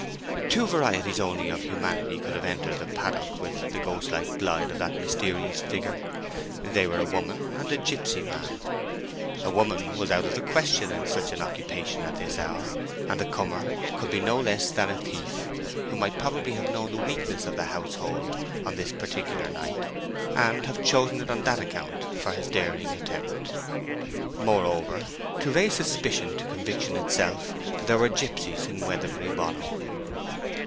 Two varieties only of humanity could have entered the paddock with the ghostlike glide of that mysterious figure. They were a woman and a gipsy man. A woman was out of the question in such an occupation at this hour, and the comer could be no less than a thief, who might probably have known the weakness of the household on this particular night, and have chosen it on that account for his daring attempt. Moreover, to raise suspicion to conviction itself, there were gipsies in Weatherbury Bottom.